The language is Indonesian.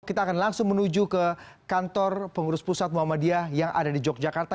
kita akan langsung menuju ke kantor pengurus pusat muhammadiyah yang ada di yogyakarta